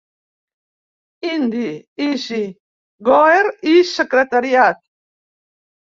Indy, Easy Goer i Secretariat.